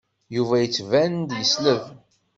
Yuba yettban-d yesleb.